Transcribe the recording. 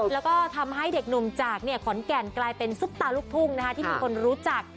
แล้วก็ทำให้เด็กหนุ่มจากขอนแก่นกลายเป็นซุปตาลูกทุ่งที่มีคนรู้จัก